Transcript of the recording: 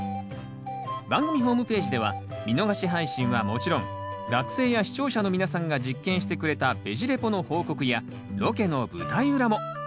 番組ホームページでは見逃し配信はもちろん学生や視聴者の皆さんが実験してくれたベジ・レポの報告やロケの舞台裏も。